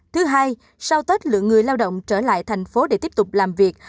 thứ hai sau tết lượng người lao động trở lại thành phố để tiếp tục làm việc